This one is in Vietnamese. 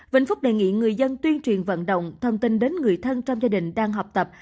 vĩnh phúc đề nghị người dân tuyên truyền vận động thông tin đến người thân trong gia đình đang học tập